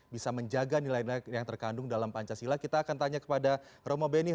dan juga kuliner